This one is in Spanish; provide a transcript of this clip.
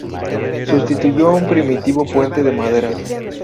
Sustituyó a un primitivo puente de madera.